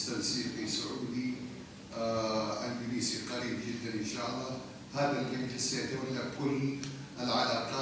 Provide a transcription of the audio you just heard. tansir di saudi indonesia akan sangat dekat ini adalah perusahaan yang akan memiliki perhubungan di semua perjalanan